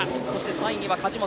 ３位には梶本。